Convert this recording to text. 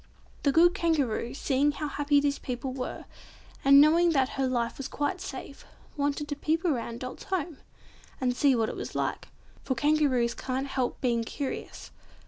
The good Kangaroo, seeing how happy these people were, and knowing that her life was quite safe, wanted to peep about Dot's home and see what it was like—for Kangaroos can't help being curious.